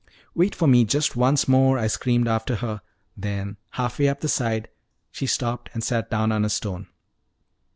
"Wait for me just once more," I screamed after her; then, half way up the side, she stopped and sat down on a stone.